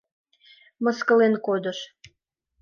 Мыскылен кодыш.